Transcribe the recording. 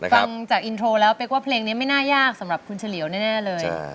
ฟังจากอินโทรแล้วเป๊กว่าเพลงนี้ไม่น่ายากสำหรับคุณเฉลียวแน่เลย